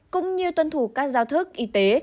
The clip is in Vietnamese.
cũng như tuân thủ các giao thức y tế